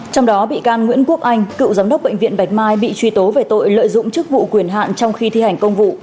trong đó bị can nguyễn quốc anh cựu giám đốc bệnh viện bạch mai bị truy tố về tội lợi dụng chức vụ quyền hạn trong khi thi hành công vụ